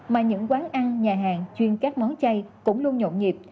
mà những quán ăn nhà hàng chuyên các món chay cũng luôn nhộn nhịp